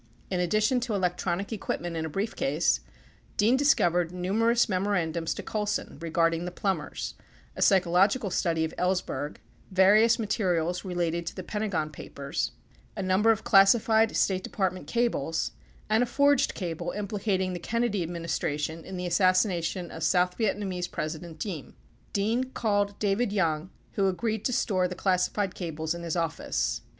In addition to electronic equipment in a briefcase, Dean discovered numerous memorandums to Colson regarding the Plumbers, a psycho logical study of Ellsberg, various materials relating to the Pentagon Papers, a number of classified State Department cables, and a forged cable implicating the Kennedy administration in the assassination of South Vietnamese President Diem, Dean called David Young, who agreed to store the classified cables in his office.